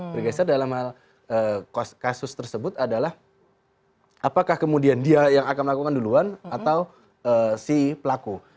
bergeser dalam hal kasus tersebut adalah apakah kemudian dia yang akan melakukan duluan atau si pelaku